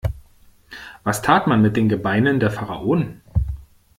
Was tat man mit den Gebeinen der Pharaonen?